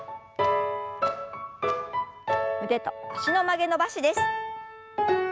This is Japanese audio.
腕と脚の曲げ伸ばしです。